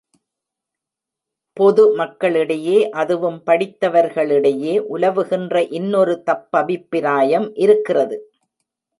பொதுமக்களிடையே அதுவும் படித்தவர்களிடையே உலவுகின்ற இன்னொரு தப்பபிப்ராயம் இருக்கிறது.